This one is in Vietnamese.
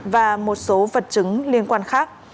và một số vật chứng liên quan khác